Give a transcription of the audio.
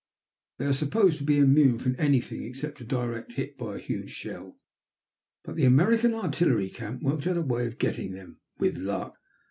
They are supposed to be immune from anything except direct hit by a huge shell. But the American artillery camp worked out a way of getting them with luck.